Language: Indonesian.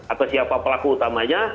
atau siapa pelaku utamanya